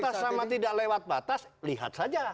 batas sama tidak lewat batas lihat saja